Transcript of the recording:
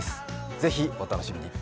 ぜひお楽しみに！